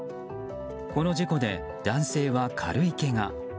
この事故で、男性は軽いけが。